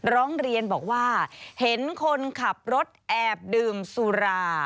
ร้องเรียนบอกว่าเห็นคนขับรถแอบดื่มสุรา